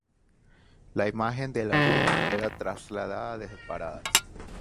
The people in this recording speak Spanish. La imagen de la Virgen era trasladada desde Paradas.